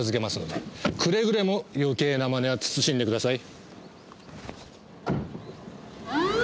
くれぐれも余計な真似は慎んでください。